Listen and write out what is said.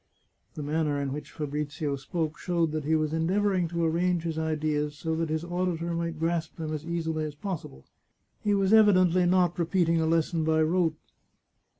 The manner in which Fabrizio spoke showed that he was endeavouring to arrange his ideas so that his auditor might grasp them as easily as possible. He was evidently not repeating a lesson by rote.